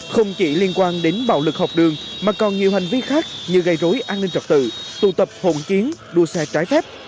không chỉ liên quan đến bạo lực học đường mà còn nhiều hành vi khác như gây rối an ninh trật tự tụ tập hồn chiến đua xe trái phép